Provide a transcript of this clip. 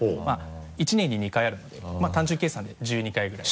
１年に２回あるのでまぁ単純計算で１２回ぐらい。